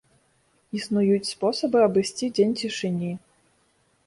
Існуюць спосабы абысці дзень цішыні.